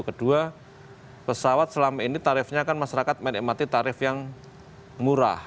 kedua pesawat selama ini tarifnya kan masyarakat menikmati tarif yang murah